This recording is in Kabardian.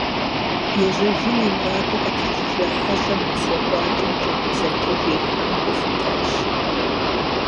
Ежьэжын и мураду къэтэджыжа хьэщӏэм и цей къуакӀэм джэду зэрытежеихьам гу лъитащ.